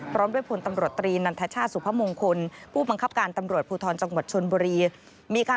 พร้อมด้วยผลตำรวจตรีนันทชาติสุพมงคลผู้บังคับการตำรวจภูทรจังหวัดชนบุรีมีการ